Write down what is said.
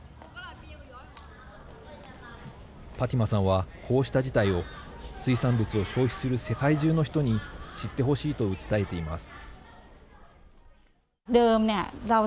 パティマさんは、こうした事態を水産物を消費する世界中の人に知ってほしいと訴えています。